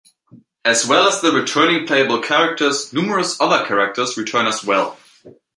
As well as the returning playable characters, numerous other characters return as well.